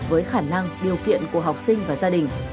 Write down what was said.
với khả năng điều kiện của học sinh và gia đình